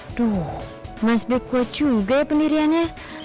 aduh mas b kuat juga ya pendiriannya